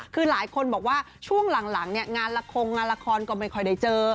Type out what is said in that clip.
คือหลายคนบอกว่าช่วงหลังงานละครก็ไม่ค่อยได้เจอ